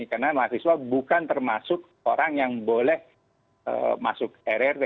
karena mahasiswa bukan termasuk orang yang boleh masuk rrt